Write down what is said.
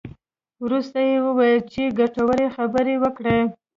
وروسته یې وویل چې ګټورې خبرې وکړې.